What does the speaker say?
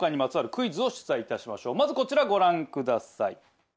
まずこちらご覧ください